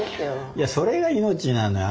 いやそれが命なのよ